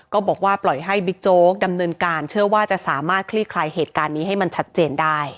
ก็บอกว่าปล่อยให้บิ๊กโจ๊กดำเนินการเชื่อว่าจะสามารถคลี่คลายเหตุการณ์นี้ให้มันชัดเจนได้